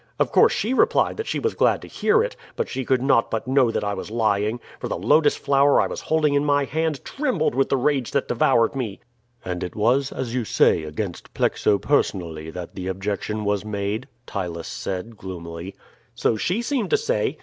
Of course she replied that she was glad to hear it, but she could not but know that I was lying, for the lotus flower I was holding in my hand trembled with the rage that devoured me." "And it was, you say, against Plexo personally that the objection was made?" Ptylus said gloomily. "So she seemed to say.